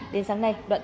đến sáng nay đoạn clip